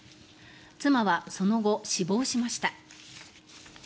妻はその後、死亡しました。